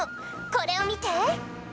これをみて！